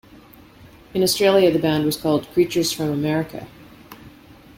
In Australia the band was called "Creatures From America".